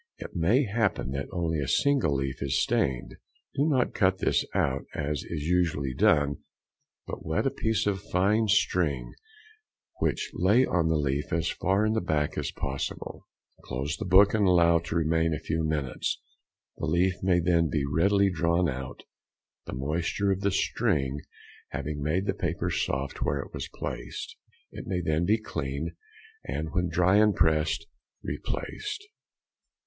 It may happen that only a single leaf is stained; do not cut this out as is usually done, but wet a piece of fine string, which lay on the leaf as far in the back as possible; close the book and allow to remain a few minutes; the leaf may then be readily drawn out, the moisture of the string having made the paper soft where it was placed. It may then be cleaned, and when dry and pressed, replaced.